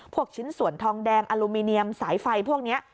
ชิ้นส่วนทองแดงอลูมิเนียมสายไฟพวกนี้